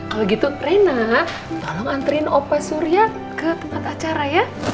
kalau gitu rena tolong anterin opa surya ke tempat acara ya